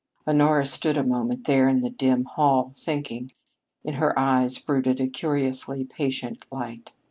Honora stood a moment there in the dim hall, thinking. In her eyes brooded a curiously patient light.